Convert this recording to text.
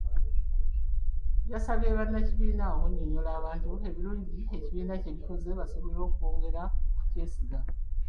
Yasabye bannakibiina okunnyonnyola abantu ebirungi ekibiina bye kikoze basobole okwongera okukyesiga.